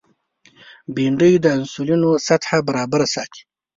بېنډۍ د انسولین سطحه برابره ساتي